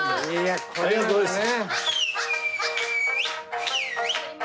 ありがとうございます。